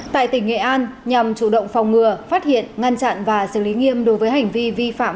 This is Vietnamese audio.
tại tỉnh nghệ an nhằm chủ động phòng ngừa phát hiện ngăn chặn và xử lý nghiêm đối với hành vi vi phạm